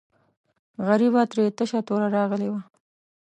غریبه ترې تشه توره راغلې وه.